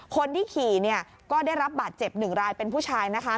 คนที่ขี่เนี่ยก็ได้รับบาดเจ็บหนึ่งรายเป็นผู้ชายนะคะ